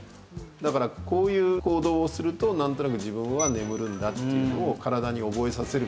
だからこういう行動をするとなんとなく自分は眠るんだっていうのを体に覚えさせる。